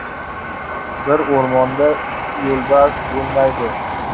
• Bir o‘rmonda ikki yo‘lbars bo‘lmaydi.